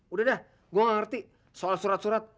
udah deh gue gak ngerti soal surat surat